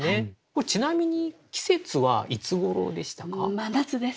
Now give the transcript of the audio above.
これちなみに季節はいつごろでしたか？